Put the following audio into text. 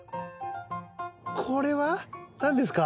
これは何ですか？